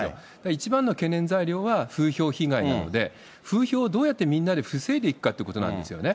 一番の懸念材料は風評被害なんで、風評をどうやってみんなで防いでいくかってことなんですよね。